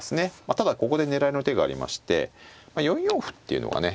ただここで狙いの手がありまして４四歩っていうのがね